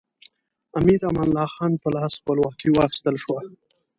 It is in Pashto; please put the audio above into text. امیر امان الله خان په لاس خپلواکي واخیستل شوه.